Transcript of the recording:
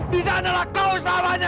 di sanalah kau setan